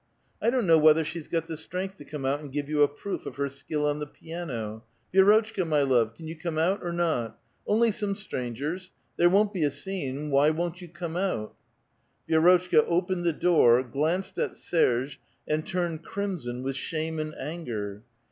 " I don't know whether she's got the strength to come out and give you a proof of her skill on the piano. — Vi^rotchka, my love, can you come out or not? Only some strangers — there won't be a scene — why won't you come out?" Vi^rotchka opened the door, glanced at Serge, and turned crimson with shame and anger.